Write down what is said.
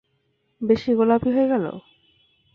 বেশি গোলাপি হয়ে গেলো?